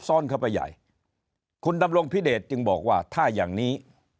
ซ่อนเข้าไปใหญ่คุณดำรงพิเดชจึงบอกว่าถ้าอย่างนี้